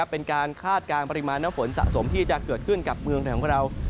เป็นการคาดการณ์ปริมาณน้ำฝนสะสมที่จะเกิดขึ้นกับเมืองไทยของเรา